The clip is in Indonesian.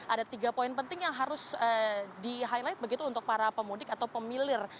ada tiga poin penting yang harus di highlight begitu untuk para pemudik atau pemilih